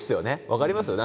分かりますよ。